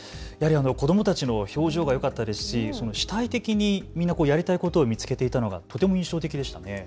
子どもたちの表情がよかったですし、主体的にみんなやりたいこと見つけていたのがとても印象的でしたね。